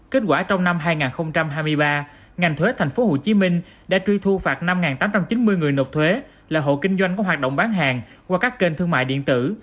kết quả trong năm hai nghìn hai mươi ba ngành thuế tp hcm đã truy thu phạt năm tám trăm chín mươi người nộp thuế là hộ kinh doanh có hoạt động bán hàng qua các kênh thương mại điện tử